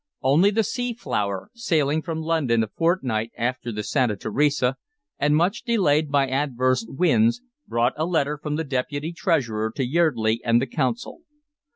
Only the Sea Flower, sailing from London a fortnight after the Santa Teresa, and much delayed by adverse winds, brought a letter from the deputy treasurer to Yeardley and the Council.